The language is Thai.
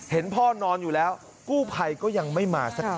เห็นพ่อนอนอยู่แล้วกู้ภัยก็ยังไม่มาสักที